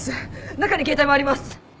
中に携帯もあります。